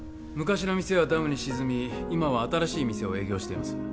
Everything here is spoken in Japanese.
昔の店はダムに沈み今は新しい店を営業しています